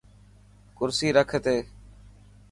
ڪرسي رک اٿي.